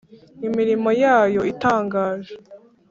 imirimo yayo itangaje